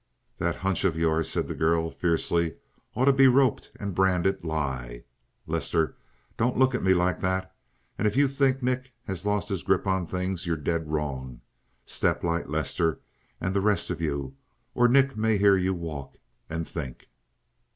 "That hunch of yours," said the girl fiercely, "ought to be roped and branded lie! Lester, don't look at me like that. And if you think Nick has lost his grip on things you're dead wrong. Step light, Lester and the rest of you. Or Nick may hear you walk and think."